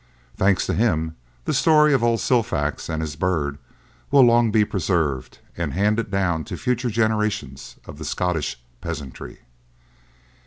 Thanks to him, the story of old Silfax and his bird will long be preserved, and handed down to future generations of the Scottish peasantry.